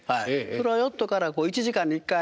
それはヨットから１時間に１回電波出してる。